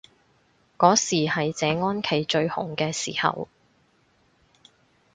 嗰時係謝安琪最紅嘅時候